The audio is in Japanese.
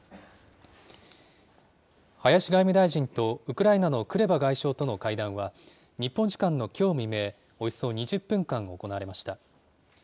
林外務大臣とウクライナのクレバ外相との会談は、日本時間のきょう未明、およそ２０分間行われました。